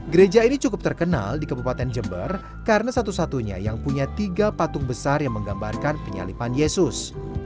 gereja ini cukup terkenal di kabupaten jember karena satu satunya yang punya tiga patung besar yang menggambarkan penyalipan yesus